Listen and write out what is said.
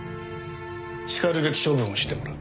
しかるべき処分をしてもらう。